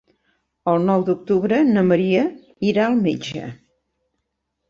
El nou d'octubre na Maria irà al metge.